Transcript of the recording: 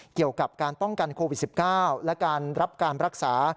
เกี่ยวกับการป้องกันโควิด๑๙และการรับการรักษา